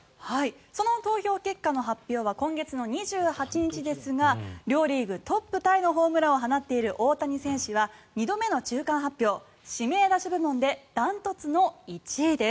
その投票結果の発表は今月２８日ですが両リーグトップタイのホームランを放っている大谷選手は２度目の中間発表指名打者部門で断トツの１位です。